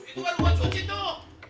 itu baru buat cuci tuh